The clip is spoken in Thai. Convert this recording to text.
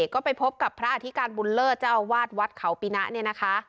ก็ไปพบกับพระอธิการบุญเลิศเจ้าอาวาสวัดเขาปีนะเนี่ยนะคะ